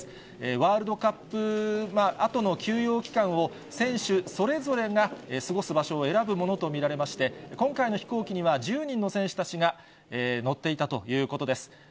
ワールドカップあとの休養期間を、選手それぞれが過ごす場所を選ぶものと見られまして、今回の飛行機には１０人の選手たちが乗っていたということです。